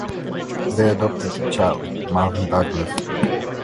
They adopted a child, Marvin Douglas.